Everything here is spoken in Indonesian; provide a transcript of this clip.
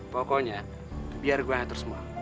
pokoknya biar gua yang atur semua